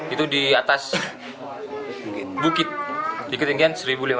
itu di atas bukit di ketinggian seribu lima ratus